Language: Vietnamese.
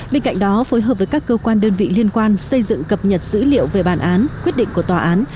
bên cạnh đó phối hợp với các cơ quan đơn vị liên quan xây dựng cập nhật dữ liệu về bản án quyết định của tòa án